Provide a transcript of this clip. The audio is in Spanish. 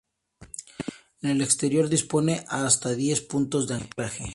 En el exterior dispone de hasta diez puntos de anclaje.